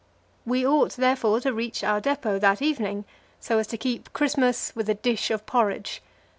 We ought, therefore, to reach our depot that evening, so as to keep Christmas with a dish of porridge.